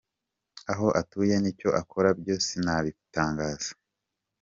Aho atuye n’icyo akora byo sinabitangaza.